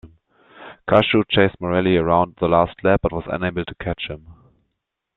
Cacho chased Morceli around the last lap, but was unable to catch him.